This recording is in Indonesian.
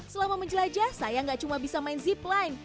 selama menjelajah saya nggak cuma bisa main zipline